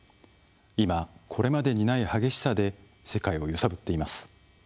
今これまでにない激しさで世界を揺さぶっています。